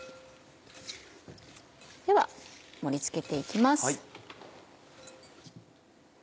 では盛り付けて行きます。